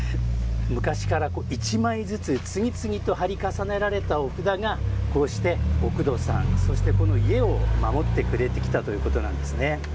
昔から１枚ずつ次々と貼り重ねられたお札がこうして、おくどさんそしてこの家を守ってくれてきたということなんですね。